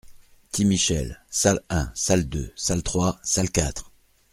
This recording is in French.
Ti Michel : salle un, salle deux, salle trois, salle quatre.